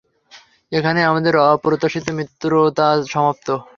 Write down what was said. এখানেই আমাদের অপ্রত্যাশিত মিত্রতা সমাপ্ত।